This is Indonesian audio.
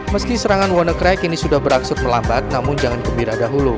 meski serangan wannacry kini sudah beraksur melambat namun jangan gembira dahulu